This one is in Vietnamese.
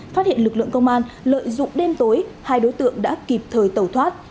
phát hiện lực lượng công an lợi dụng đêm tối hai đối tượng đã kịp thời tẩu thoát